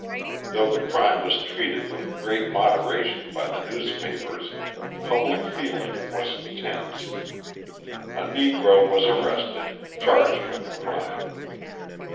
Though the crime was treated with great moderation by the newspapers, public feeling was intense. A Negro was arrested, charged with the crime.